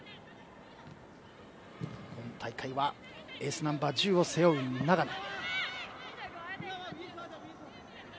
今大会はエースナンバー１０を背負う長野。